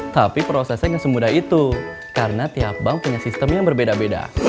tapi prosesnya gak semudah itu karena tiap bank punya sistem yang berbeda beda